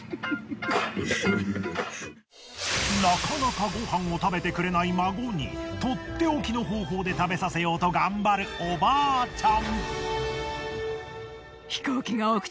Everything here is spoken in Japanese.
なかなかご飯を食べてくれない孫にとっておきの方法で食べさせようと頑張るおばあちゃん。